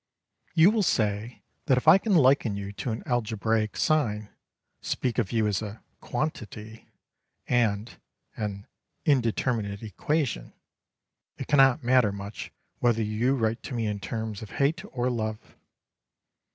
You will say that if I can liken you to an algebraic sign, speak of you as a "quantity" and "an indeterminate equation," it cannot matter much whether you write to me in terms of hate or love.